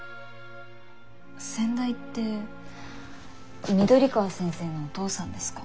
先代って緑川先生のお父さんですか？